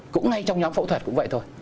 cũng ngay trong nhóm phẫu thuật cũng vậy thôi